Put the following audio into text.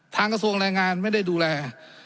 ทางกระทรวงรายงานไว้แล้วไม่ได้ดูแล